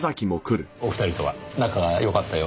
お二人とは仲がよかったようで。